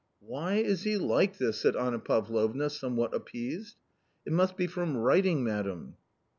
"Why is he like this?" said Anna Pavlovna somewhat appeased. " It must be from writing, madam."